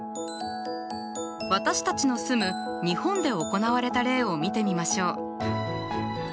私たちの住む日本で行われた例を見てみましょう。